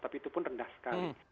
tapi itu pun rendah sekali